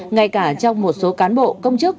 ngay cả trong một số cán bộ công chức